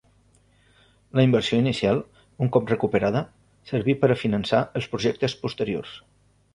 La inversió inicial, un cop recuperada, servir per a finançar els projectes posteriors.